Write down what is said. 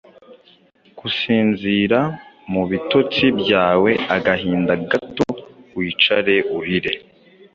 gusinzira! mu bitotsi byawe Agahinda gato wicare urire.